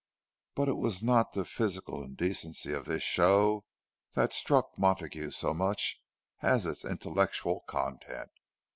But it was not the physical indecency of this show that struck Montague so much as its intellectual content.